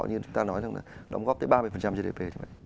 như chúng ta nói là đóng góp tới ba mươi gdp